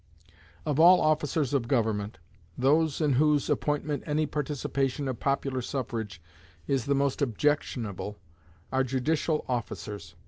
Of all officers of government, those in whose appointment any participation of popular suffrage is the most objectionable are judicial officers.